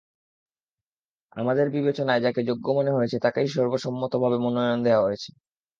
আমাদের বিবেচনায় যাকে যোগ্য মনে হয়েছে তাকেই সর্বসম্মতভাবে মনোনয়ন দেওয়া হয়েছে।